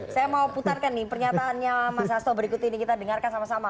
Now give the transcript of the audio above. saya mau putarkan nih pernyataannya mas hasto berikut ini kita dengarkan sama sama